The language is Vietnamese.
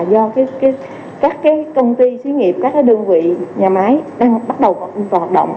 do các công ty xứ nghiệp các đơn vị nhà máy đang bắt đầu hoạt động